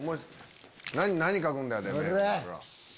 何書くんだよ？